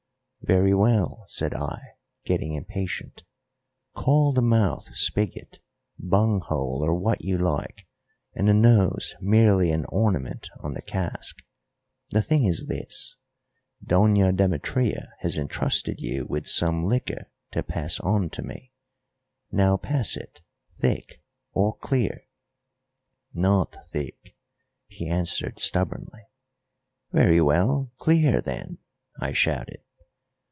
"Very well," said I, getting impatient, "call the mouth spigot, bung hole, or what you like, and the nose merely an ornament on the cask. The thing is this: Doña Demetria has entrusted you with some liquor to pass on to me; now pass it, thick or clear." "Not thick," he answered stubbornly. "Very well; clear then," I shouted.